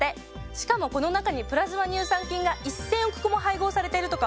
しかもこの中にプラズマ乳酸菌が１，０００億個も配合されてるとか。